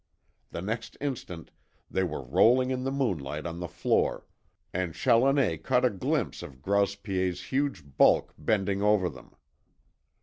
The next instant they were rolling in the moonlight on the floor, and Challoner caught a glimpse of Grouse Piet's huge bulk bending over them.